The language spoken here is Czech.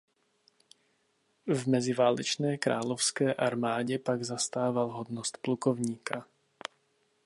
V meziválečné královské armádě pak zastával hodnost plukovníka.